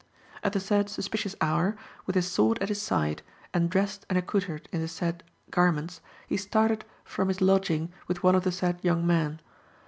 "At the said suspicious hour, with his sword at his side,(3) and dressed and accoutred in the said garments, he started from his lodging with one of the said young men.